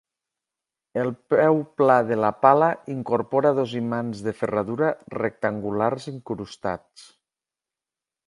El peu pla de la pala incorpora dos imants de ferradura rectangulars incrustats.